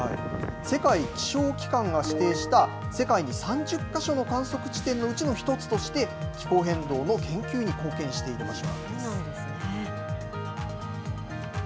世界気象機関が指定した、世界に３０か所の観測地点のうちの１つとして、気候変動の研究に貢献している場所なんです。